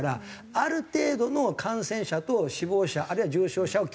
ある程度の感染者と死亡者あるいは重症者を許容する。